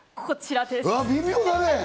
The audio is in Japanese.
こちらです。